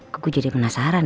gue jadi penasaran ya